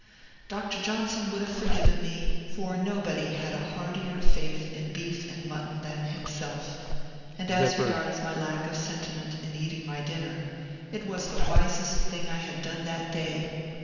Dr. Johnson would have forgiven me, for nobody had a heartier faith in beef and mutton than himself. And as regards my lack of sentiment in eating my dinner, it was the wisest thing I had done that day.